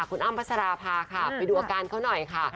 คุณอ้ำพัชราภาค่ะไปดูอาการเขาหน่อยค่ะ